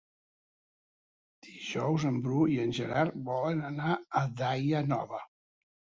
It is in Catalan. Dijous en Bru i en Gerard volen anar a Daia Nova.